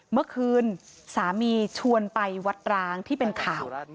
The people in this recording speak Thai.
เมื่อคืนสามีชวนไปวัดร้างที่เป็นข่าว